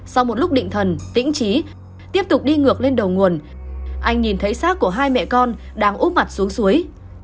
sau một lúc định thần tĩnh trí tiếp tục đi ngược lên đầu nguồn anh nhìn thấy xác của hai mẹ con đang úp mặt xuống suối